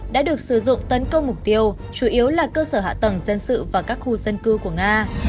đã được sử dụng tấn công mục tiêu chủ yếu là cơ sở hạ tầng dân sự và các khu dân cư của nga